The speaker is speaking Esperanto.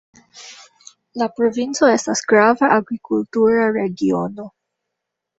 La provinco estas grava agrikultura regiono.